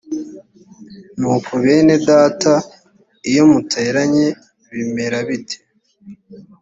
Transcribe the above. nuko bene data iyo muteranye bimera bite